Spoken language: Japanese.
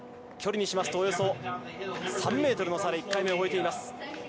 距離にしますと３ｍの差で１回目を終えています。